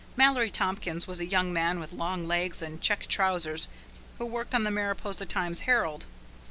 Mallory Tompkins was a young man with long legs and check trousers who worked on the Mariposa Times Herald.